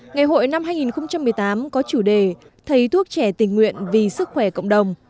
ngày hội năm hai nghìn một mươi tám có chủ đề thầy thuốc trẻ tình nguyện vì sức khỏe cộng đồng